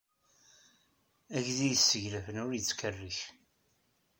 Aydi yesseglafen ur yettkerric.